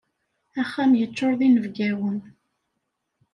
Axxam yeččur d inebgawen.